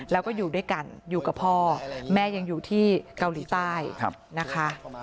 แล้วก็อยู่ด้วยกันอยู่กับพ่อแม่ยังอยู่ที่เกาหลีใต้นะคะ